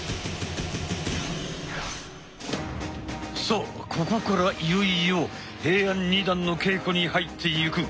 さあここからいよいよ平安二段の稽古に入っていく！